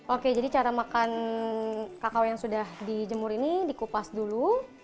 oke jadi cara makan kakao yang sudah dijemur ini dikupas dulu